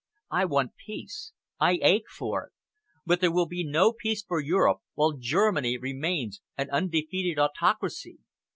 I want peace. I ache for it. But there will be no peace for Europe while Germany remains an undefeated autocracy.